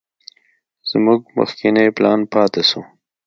زموږ مخکينى پلان پاته سو.